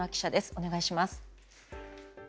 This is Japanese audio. お願いします。